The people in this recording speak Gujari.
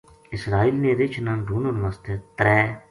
اسرائیل نے رِچھ نا ڈھُونڈن واسطے ترے